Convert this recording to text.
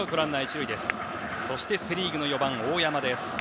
そしてセ・リーグの４番、大山。